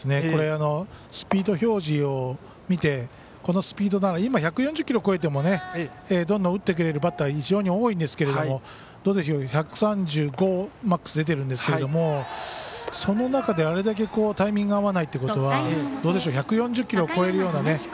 これ、スピード表示を見てこのスピードなら今、１４０キロ超えてもどんどん打ってくるバッターが非常に多いんですけど１３５、マックスで出てるんですがその中で、あれだけタイミングが合わないということは１４０キロ超えるようなね。